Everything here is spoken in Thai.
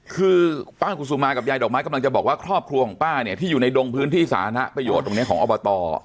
คือป้ากุศุมากับยายดอกไม้กำลังจะบอกว่าครอบครัวของป้าเนี่ยที่อยู่ในดงพื้นที่สาธารณะประโยชน์ตรงนี้ของอบต